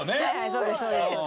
そうですそうです。